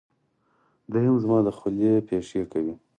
دی هم زما دخولې پېښې کوي.